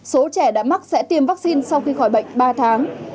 số trẻ đã mắc sẽ tiêm vaccine sau khi khỏi bệnh ba tháng